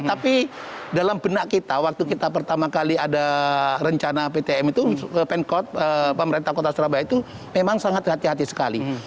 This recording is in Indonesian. tapi dalam benak kita waktu kita pertama kali ada rencana ptm itu pemerintah kota surabaya itu memang sangat hati hati sekali